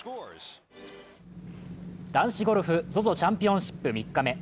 男子ゴルフ、ＺＯＺＯチャンピオンシップ３日目。